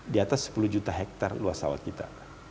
di atas sepuluh juta hektare luas sawat kita